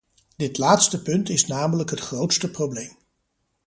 Dit laatste punt is namelijk het grootste probleem.